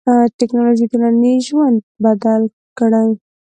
ټکنالوژي ټولنیز ژوند بدل کړی.